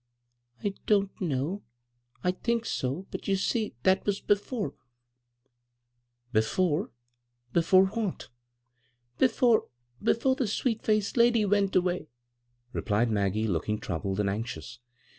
I don't know. I think so— but you see that was before." " Before ? Before what ?"" Before — before the sweet faced lady went away," replied Maggie, looking troubled and anxious.